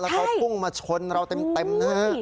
เขาพุ่งมาชนเราเต็มนะฮะ